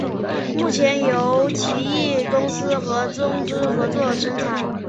目前由奇异公司和东芝合作生产。